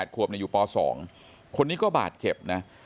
ขวบอยู่ป๒คนนี้ก็บาดเจ็บนะ